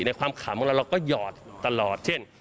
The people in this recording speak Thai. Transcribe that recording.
ความขำของเราเราก็หยอดตลอดเช่น